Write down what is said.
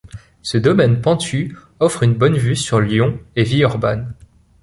Ce domaine pentu offre une bonne vue sur Lyon et Villeurbanne.